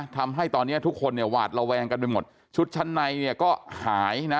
ทำให้ตอนนี้ทุกคนเนี่ยหวาดระแวงกันไปหมดชุดชั้นในเนี่ยก็หายนะ